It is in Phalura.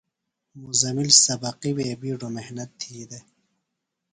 مزمل سبقیۡ وے محنت بِیڈوۡ تھی دےۡ۔